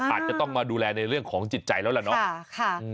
อาจจะต้องมาดูแลในเรื่องของจิตใจแล้วล่ะเนาะ